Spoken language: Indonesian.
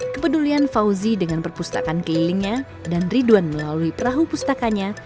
kepedulian fauzi dengan perpustakaan kelilingnya dan ridwan melalui perahu pustakanya